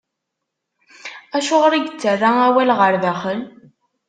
Acuɣer i yettarra awal ɣer daxel?